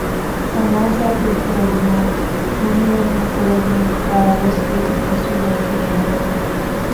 ސަމާސާފުޅު ކުރެއްވުމާއި ހުނިވަރުނަ ކުރެއްވުމުގައި ވެސް ކީރިތިރަސޫލާއަކީ ނަމޫނާއެއް